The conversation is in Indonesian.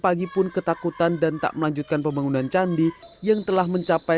pagi pun ketakutan dan tak melanjutkan pembangunan candi yang telah mencapai sembilan ratus sembilan puluh sembilan